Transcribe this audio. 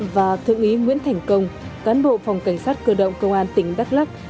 và thượng úy nguyễn thành công cán bộ phòng cảnh sát cơ động công an tỉnh đắk lắc